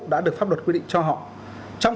đã được pháp luật quy định cho họ trong